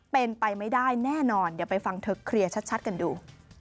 เป็นไปไม่ได้แน่นอนเดี๋ยวไปฟังเธอเคลียร์ชัดกันดู